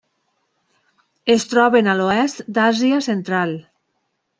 Es troben a l'oest d'Àsia central.